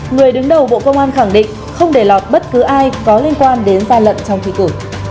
người đứng đầu bộ công an khẳng định không để lọt bất cứ ai có liên quan đến gian lận trong thi cử